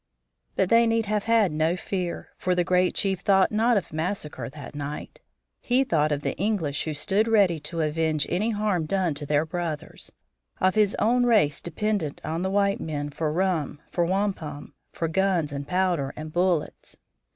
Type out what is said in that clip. But they need have had no fear, for the great chief thought not of massacre that night. He thought of the English who stood ready to avenge any harm done to their brothers; of his own race dependent on the white men for rum, for wampum, for guns and powder and bullets.